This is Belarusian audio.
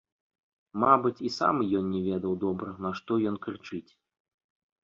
Мабыць, і сам ён не ведаў добра, нашто ён крычыць.